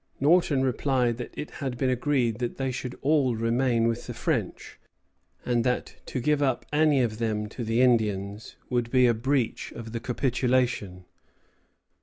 Norton replied that it had been agreed that they should all remain with the French; and that to give up any of them to the Indians would be a breach of the capitulation.